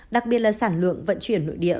đặc biệt là sản lượng vận chuyển nội địa